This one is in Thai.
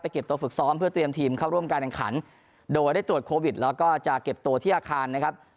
เก็บตัวฝึกซ้อมเพื่อเตรียมทีมเข้าร่วมการแข่งขันโดยได้ตรวจโควิดแล้วก็จะเก็บตัวที่อาคารนะครับ